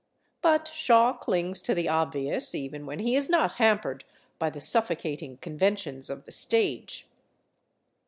But Shaw clings to the obvious even when he is not hampered by the suffocating conventions of the stage.